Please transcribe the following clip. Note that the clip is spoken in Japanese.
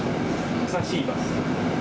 優しいバスです。